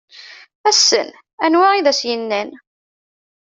Ass-n anwi i d as-yennan.